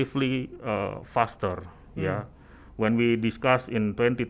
ketika kita membahas hal ini di tahun dua ribu dua puluh